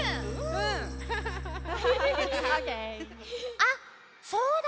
あっそうだ。